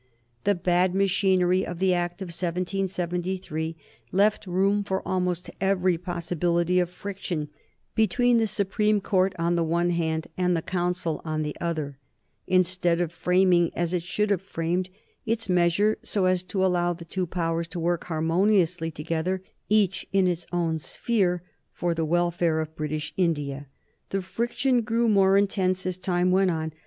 The bad machinery of the Act of 1773 left room for almost every possibility of friction between the Supreme Court on the one hand and the Council on the other, instead of framing, as it should have framed, its measure so as to allow the two powers to work harmoniously together, each in its own sphere, for the welfare of British India. The friction grew more intense as time went on.